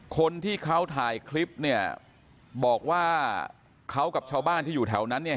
คนที่เขาถ่ายคลิปเนี่ยบอกว่าเขากับชาวบ้านที่อยู่แถวนั้นเนี่ย